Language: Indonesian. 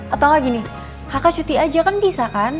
atau enggak gini kakak cuti aja kan bisa kan